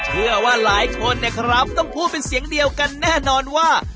เชื่อว่าหลายคนเนี่ยครับต้องพูดเป็นเสียงเดียวกันแน่นอนว่า